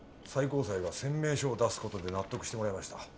最高裁が宣明書を出す事で納得してもらいました。